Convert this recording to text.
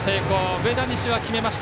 上田西は決めました。